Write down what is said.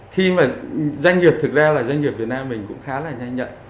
khi mà doanh nghiệp thực ra là doanh nghiệp việt nam mình cũng khá là nhanh nhạy